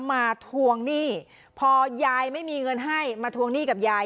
ทวงหนี้พอยายไม่มีเงินให้มาทวงหนี้กับยาย